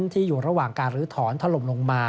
ที่อยู่ระหว่างการลื้อถอนถล่มลงมา